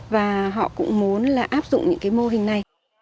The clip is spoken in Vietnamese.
và họ cũng muốn áp dụng những mô hình này